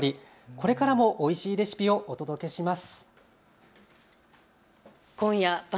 これからもおいしいレシピをお届けします。